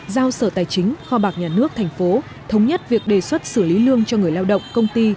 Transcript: giao sở tài chính kho bạc nhà nước thành phố thống nhất việc đề xuất xử lý lương cho người lao động công ty